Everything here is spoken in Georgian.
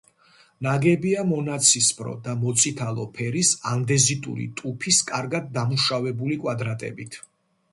ნაგებია მონაცისფრო და მოწითალო ფერის ანდეზიტური ტუფის კარგად დამუშავებული კვადრატებით.